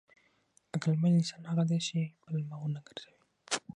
عقلمن انسان هغه دی چې پلمه ونه ګرځوي.